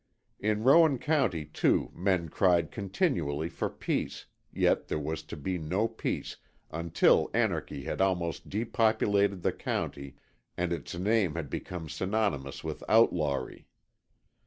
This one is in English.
In Rowan County, too, men cried continually for peace, yet there was to be no peace until anarchy had almost depopulated the county and its name had become synonymous with outlawry.